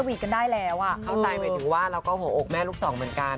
กันได้แล้วอ่ะเข้าใจหมายถึงว่าเราก็หัวอกแม่ลูกสองเหมือนกัน